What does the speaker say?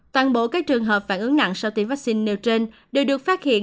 toàn bộ các trường hợp phản ứng nặng sau tiêm vaccine nêu trên đều được phát hiện